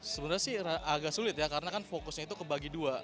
sebenarnya sih agak sulit ya karena kan fokusnya itu kebagi dua